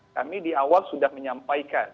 kami di awal sudah menyampaikan